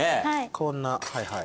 こんなはいはい。